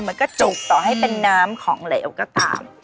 มันก็จุกต่อให้เป็นน้ำของเหลวก็ตาม